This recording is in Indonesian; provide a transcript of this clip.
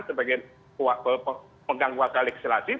sebagai pegang wakalik selassie